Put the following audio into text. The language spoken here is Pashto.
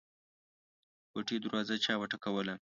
د کوټې دروازه چا وټکوله.